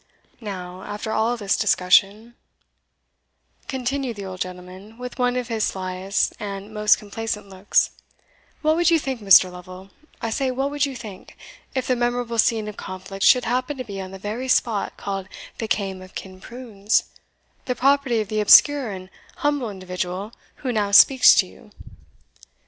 Now, after all this discussion," continued the old gentleman, with one of his slyest and most complacent looks, "what would you think, Mr. Lovel, I say, what would you think, if the memorable scene of conflict should happen to be on the very spot called the Kaim of Kinprunes, the property of the obscure and humble individual who now speaks to you?"